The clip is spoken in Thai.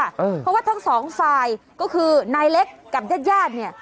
เพราะว่าทั้งสองฝ่ายก็คือนายเล็กกับญาติญาติเนี่ย